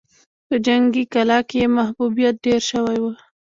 په جنګي کلا کې يې محبوبيت ډېر شوی و.